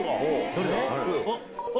誰だ？